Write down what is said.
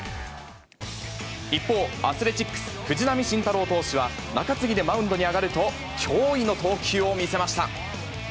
一方、アスレチックス、藤浪晋太郎投手は、中継ぎでマウンドに上がると、驚異の投球を見せました。